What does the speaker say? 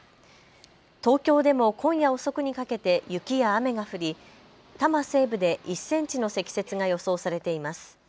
東京でも今夜遅くにかけて雪や雨が降り多摩西部で１センチの積雪が予想されています。